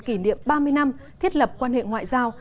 kỷ niệm ba mươi năm thiết lập quan hệ ngoại giao